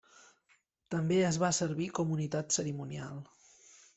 També es va servir com unitat cerimonial.